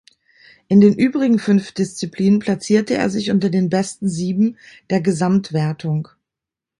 In den übrigen fünf Disziplinen platzierte er sich unter den besten sieben der Gesamtwertung.